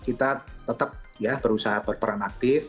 kita tetap ya berusaha berperan aktif